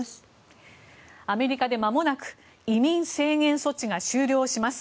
アメリカでまもなく移民制限措置が終了します。